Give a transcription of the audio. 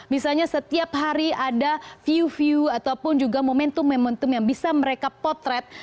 misalnya setiap hari ada view view ataupun juga momentum momentum yang bisa mereka potret